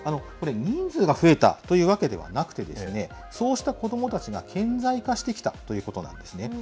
これ、人数が増えたというわけではなくて、そうした子どもたちが顕在化してきたということなんですね。